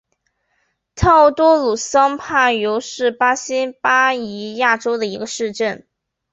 特奥多鲁桑帕尤是巴西巴伊亚州的一个市镇。